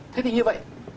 thế thì như vậy